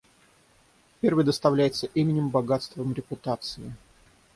Первый доставляется именем, богатством, репутацией.